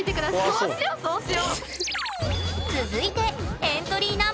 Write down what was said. そうしよそうしよ。